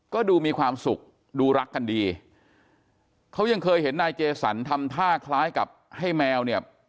ก็ดูมีความสุขดูรักกันดีเขายังเคยเห็นนายเจสันทำท่าคล้ายกับให้แมวเนี่ย